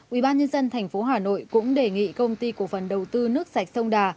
ủy ban nhân dân tp hcm cũng đề nghị công ty của phần đầu tư nước sải sông đà